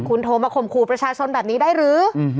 คุณโทรมาข่มขู่ประชาชนแบบนี้ได้หรือ